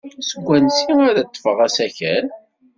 Seg wansi ara ḍḍfeɣ asakal?